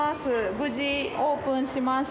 無事オープンしました。